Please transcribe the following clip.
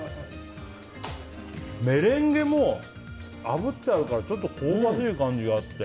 メレンゲもあぶってあるからちょっと香ばしい感じがあって。